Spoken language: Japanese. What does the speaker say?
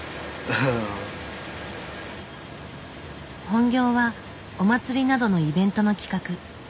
本業はお祭りなどのイベントの企画。